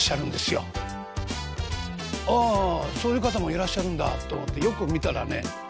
ああそういう方もいらっしゃるんだと思ってよく見たらね